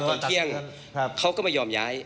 ตอนเที่ยงเขาก็ไม่ยอมย้าย